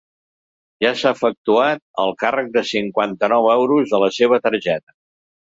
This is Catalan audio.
Ja s'ha efectuat el càrrec de cinquanta-nou euros a la seva targeta.